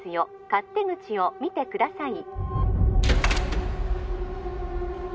勝手口を見てください